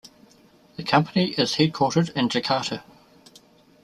The company is headquartered in Jakarta.